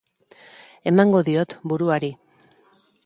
Emango diot buruari.